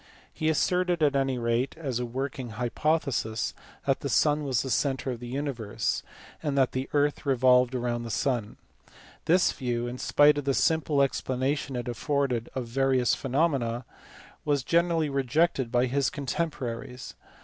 He asserted, at any rate as a working hypothesis, that the sun was the centre of the universe, and that the earth revolved round the sun. This view, in spite of the simple explanation it afforded of various phenomena, was generally rejected by his contemporaries.